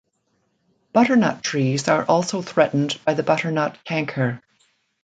Butternut trees are also threatened by the butternut canker.